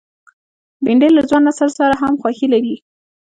بېنډۍ له ځوان نسل سره هم خوښي لري